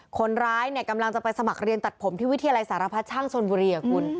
คนร้ายเนี่ยกำลังจะไปสมัครเรียนตัดผมที่วิทยาลัยสารพัดช่างชนบุรีคุณ